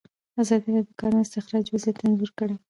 ازادي راډیو د د کانونو استخراج وضعیت انځور کړی.